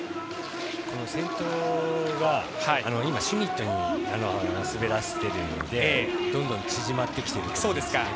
先頭は、今シュミットに滑らせているのでどんどん縮まってきているんです。